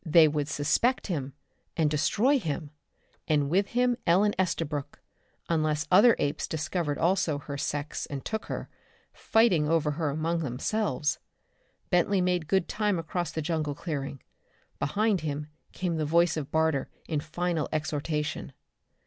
They would suspect him, and destroy him, and with him Ellen Estabrook, unless other apes discovered also her sex and took her, fighting over her among themselves. Bentley made good time across the jungle clearing. Behind him came the voice of Barter in final exhortation.